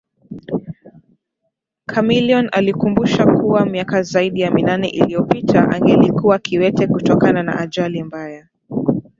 Chameleone alikumbusha kuwa miaka zaidi ya minane iliyopita angelikuwa Kiwete kutokana na ajali mbaya